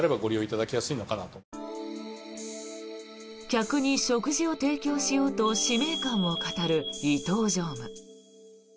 客に食事を提供しようと使命感を語る伊東常務。